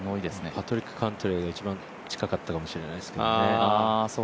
パトリック・キャントレーが一番近かったかもしれないですけどね。